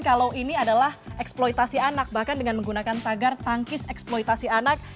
kalau ini adalah eksploitasi anak bahkan dengan menggunakan tagar tangkis eksploitasi anak